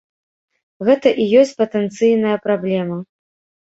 Гэта і ёсць патэнцыйная праблема.